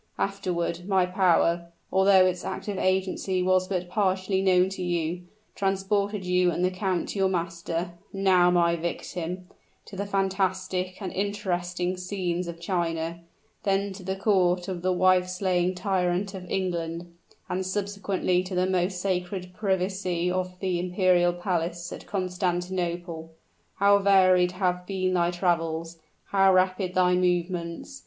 Afterward, my power although its active agency was but partially known to you transported you and the count your master now my victim to the fantastic and interesting scenes of China then to the court of the wife slaying tyrant of England, and subsequently to the most sacred privacy of the imperial palace at Constantinople. How varied have been thy travels! how rapid thy movements.